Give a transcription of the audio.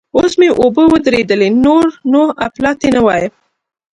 اوس مې اوبه ودرېدلې؛ نور نو اپلاتي نه وایم.